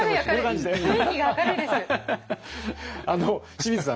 清水さん